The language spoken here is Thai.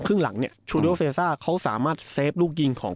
ครึ่งหลังเนี่ยชูโดเซซ่าเขาสามารถเซฟลูกยิงของ